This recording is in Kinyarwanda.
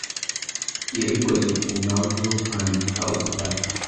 Yabikoze ku mpamvu zo kwandika ubutaka